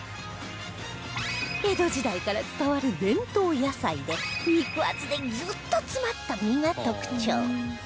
江戸時代から伝わる伝統野菜で肉厚でギュッと詰まった実が特徴